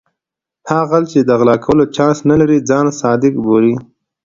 هغه غل چې د غلا کولو چانس نه لري ځان صادق بولي.